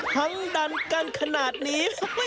ทั้งดันกันขนาดนี้